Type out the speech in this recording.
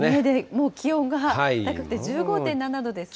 もう気温が高くて１５．７度ですか。